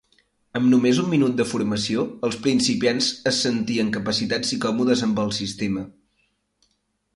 Amb només un minut de formació, els principiants es sentien capacitats i còmodes amb el sistema.